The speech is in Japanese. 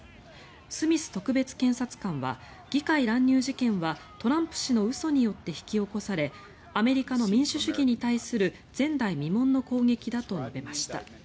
スミス特別検察官は議会乱入事件はトランプ氏の嘘によって引き起こされアメリカの民主主義に対する前代未聞の攻撃だと述べました。